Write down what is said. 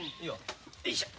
よいしょ。